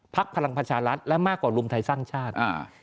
พลังประชารัฐและมากกว่ารวมไทยสร้างชาติ